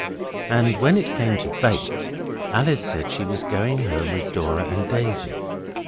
When it came to bait, Alice said she was going home with Dora and Daisy.